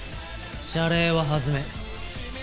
謝礼は弾め。